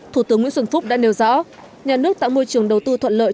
thủ tướng nguyễn xuân phúc đã nêu rõ nhà nước tạo môi trường đầu tư thuận lợi